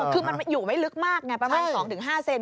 อ๋อคือมันอยู่ไว้ลึกมากไงประมาณ๒๕เซนติเมตร